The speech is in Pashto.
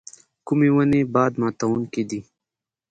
کومې ونې باد ماتوونکي دي؟